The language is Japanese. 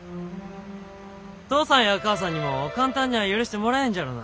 父さんや母さんにも簡単にゃあ許してもらえんじゃろうな。